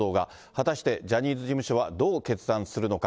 果たしてジャニーズ事務所はどう決断するのか。